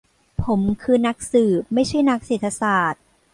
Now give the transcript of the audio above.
ผมคือนักสืบ ไม่ใช่นักเศรษฐศาสตร์